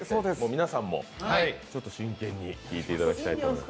皆さんも真剣に聴いていただきたいと思います。